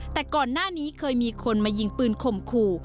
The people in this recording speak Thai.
แต่ก่อนหน้านี้เคยมีคนมายิงปืนข่มขู่